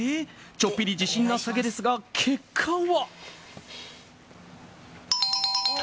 ちょっぴり自信なさげですが結果は。